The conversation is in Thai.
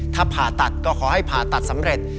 ถ้าผ่าตัดก็ขอให้ผ่าตัดสำเร็จ